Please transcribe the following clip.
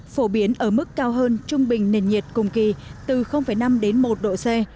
phổ biến ở mức cao hơn trung bình nền nhiệt cùng kỳ từ năm đến một độ c